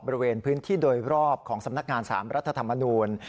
บริเวณพื้นที่โดยรอบของสำนักงาน๓รัฐธรรมนูล